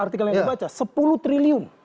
artikel yang dibaca sepuluh triliun